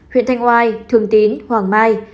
huyện thanh oai thường tín hoàng mai